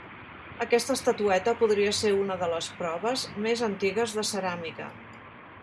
Aquesta estatueta podria ser una de les proves més antigues de ceràmica.